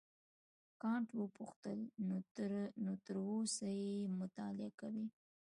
کانت وپوښتل نو تر اوسه یې مطالعه کوې.